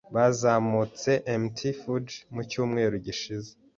Bazamutse Mt. Fuji mu cyumweru gishize.